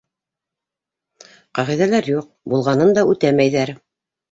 Ҡағиҙәләр юҡ, булғанын да үтәмәйҙәр.